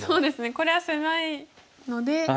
これは狭いので。